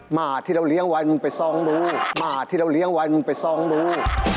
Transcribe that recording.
หม่าที่เรียงวันมึงไปซ่องดู